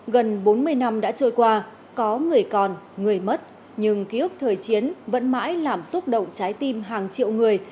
gần bốn mươi năm đã trôi qua có người còn người mất nhưng ký ức thời chiến vẫn mãi làm xúc động trái tim hàng triệu người